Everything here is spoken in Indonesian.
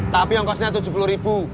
tapi yang kosnya tujuh puluh ribu